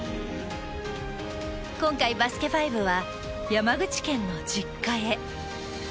今回、「バスケ☆ＦＩＶＥ」は山口県の実家へ。